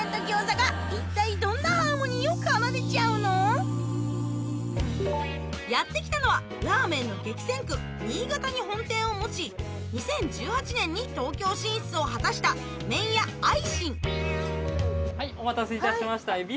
このやって来たのはラーメンの激戦区新潟に本店を持ち２０１８年に東京進出を果たしたお待たせいたしました。